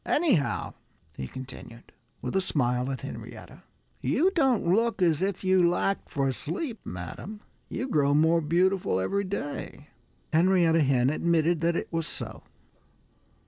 "Anyhow," he continued, with a smile at Henrietta, "you don't look as if you lacked for sleep, madam. You grow more beautiful every day." Henrietta Hen admitted that it was so.